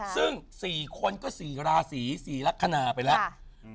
ซึ่งสี่คนก็สี่ราศีสี่ลักษณะไปแล้ว